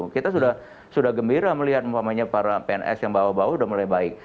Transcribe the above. kita sudah gembira melihat para pns yang bawah bawah sudah mulai baik